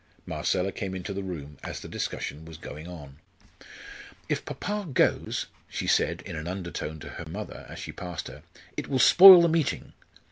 Marcella came into the room as the discussion was going on. "If papa goes," she said in an undertone to her mother as she passed her, "it will spoil the meeting.